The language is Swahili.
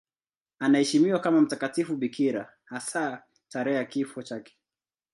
Anaheshimiwa kama mtakatifu bikira, hasa tarehe ya kifo chake.